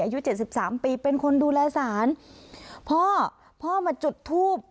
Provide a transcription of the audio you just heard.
อายุเจ็ดสิบสามปีเป็นคนดูแลศาลพ่อพ่อมาจุดทูบ